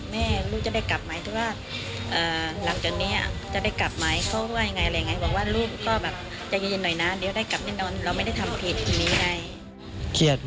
แม่ลูกจะได้กลับไหมถ้าว่าหลังจากนี้จะได้กลับไหม